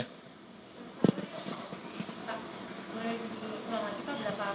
pak boleh diperhatikan berapa pasien yang saat ini dijawab